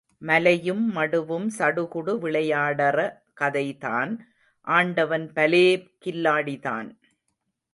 மலையும் மடுவும் சடுகுடு விளையாடற கதைதான் ஆண்டவன் பலே கில்லாடிதான்!